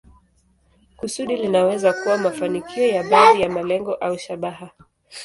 Kusudi linaweza kuwa mafanikio ya baadhi ya malengo au shabaha.